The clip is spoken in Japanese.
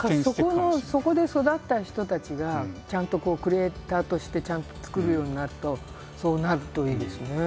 だからそこで育った人たちがちゃんとクリエーターとしてちゃんと作るようになるとそうなるといいですね。